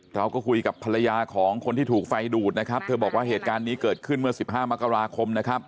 เราก็คุยกับภรรยาของคนที่ถูกไฟดูดนะครับเธอบอกว่าเหตุการณ์นี้เกิดขึ้นเมื่อ๑๕มกราคมนะครับ